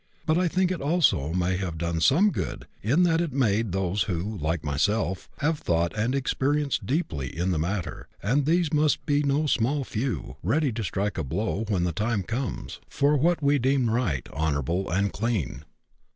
But I think it also may have done some good in that it made those who, like myself, have thought and experienced deeply in the matter and these must be no small few ready to strike a blow, when the time comes, for what we deem to be right, honorable, and clean."